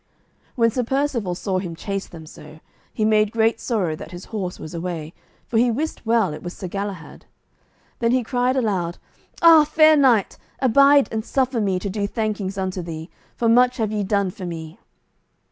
When Sir Percivale saw him chase them so, he made great sorrow that his horse was away, for he wist well it was Sir Galahad. Then he cried aloud, "Ah, fair knight, abide and suffer me to do thankings unto thee, for much have ye done for me!"